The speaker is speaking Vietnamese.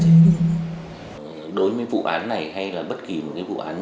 thế này nữa đối với vụ án này hay là bất kỳ một cái vụ án